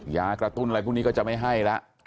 ยากระตุ้นอะไรพวกนี้ก็จะไม่ให้แล้ว